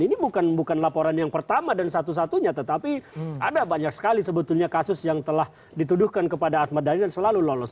ini bukan laporan yang pertama dan satu satunya tetapi ada banyak sekali sebetulnya kasus yang telah dituduhkan kepada ahmad dhani dan selalu lolos